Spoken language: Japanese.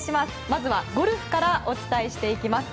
まずはゴルフからお伝えしていきます。